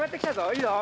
いいよ。